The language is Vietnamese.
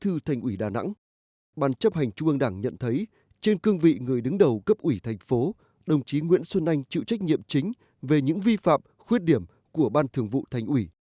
sau khi xem xét đề nghị của ủy ban kiểm tra trung ương đảng khóa một mươi hai ban chấp hành trung ương đảng nhận thấy trên cương vị người đứng đầu cấp ủy thành phố đồng chí nguyễn xuân anh chịu trách nhiệm chính về những vi phạm khuyết điểm của ban thường vụ thành ủy